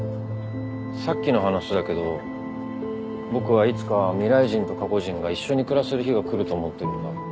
さっきの話だけど僕はいつか未来人と過去人が一緒に暮らせる日が来ると思ってるんだ。